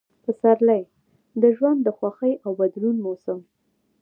پسرلی – د ژوند، خوښۍ او بدلون موسم